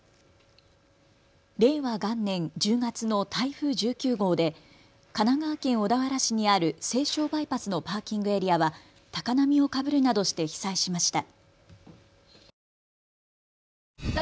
令和元年１０月の台風１９号で神奈川県小田原市にある西湘バイパスのパーキングエリアは高波をかぶるなどして被災しました。